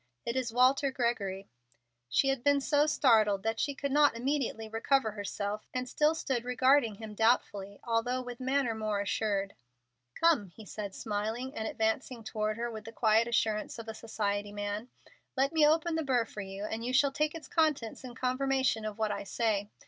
It is Walter Gregory." She had been so startled that she could not immediately recover herself, and still stood regarding him doubtfully, although with manner more assured. "Come," said he, smiling and advancing toward her with the quiet assurance of a society man. "Let me open the burr for you, and you shall take its contents in confirmation of what I say.